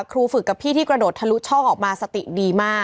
ฝึกกับพี่ที่กระโดดทะลุช่องออกมาสติดีมาก